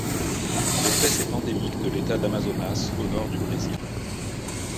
L'espèce est endémique de l'État d'Amazonas au nord du Brésil.